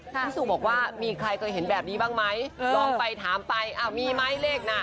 พี่ซูบอกว่ามีใครเคยเห็นแบบนี้บ้างไหมลองไปถามไปมีไหมเลขน่ะ